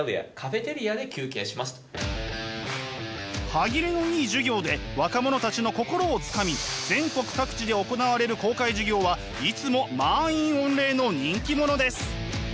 歯切れのいい授業で若者たちの心をつかみ全国各地で行われる公開授業はいつも満員御礼の人気者です。